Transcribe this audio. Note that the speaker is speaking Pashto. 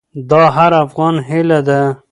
دا د هر افغان هیله ده.